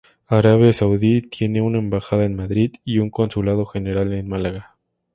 Arabia Saudí tiene una embajada en Madrid y un consulado general en Málaga.